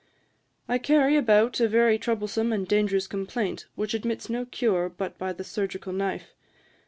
I carry about a very troublesome and dangerous complaint, which admits no cure but by the chirurgical knife.